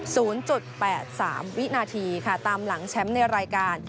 ศูนย์จุดแปดสามวินาทีค่ะตามหลังแชมป์ในรายการ